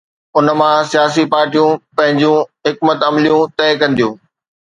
ان مان سياسي پارٽيون پنهنجون حڪمت عمليون طئي ڪنديون.